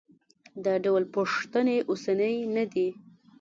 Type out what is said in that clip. دا ډول پوښتنې اوسنۍ نه دي.